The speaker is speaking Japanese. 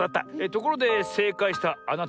ところでせいかいしたあなた。